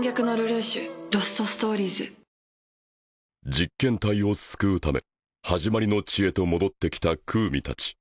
実験体を救うため始まりの地へと戻ってきたクウミたち。